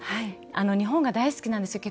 日本が大好きなんですよ